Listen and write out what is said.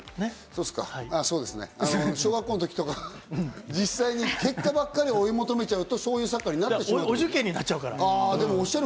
そうですね。小学校の時とか、実際に結果ばっかり追い求めちゃうと、そういうサッカーになっちお受験になっちゃうから。